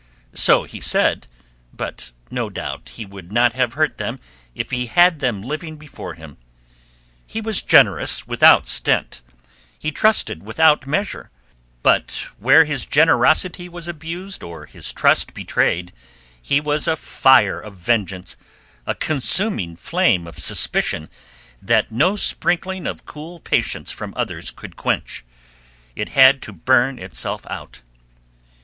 So he said, but no doubt he would not have hurt them if he had had them living before him. He was generous without stint; he trusted without measure, but where his generosity was abused, or his trust betrayed, he was a fire of vengeance, a consuming flame of suspicion that no sprinkling of cool patience from others could quench; it had to burn itself out.